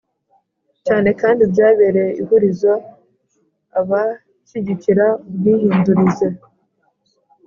cyane kandi byabereye ihurizo abashyigikira ubwihindurize